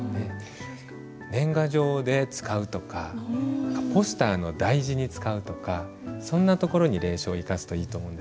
年賀状で使うとかポスターの題字に使うとかそんなところに隷書を生かすといいと思うんですよね。